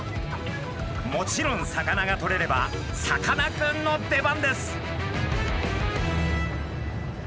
もちろん魚がとれればさかなクンの出番です。